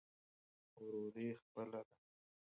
وروري خپله ده.